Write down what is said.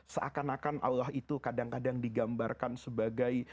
seakan akan allah itu kadang kadang digambarkan sebagai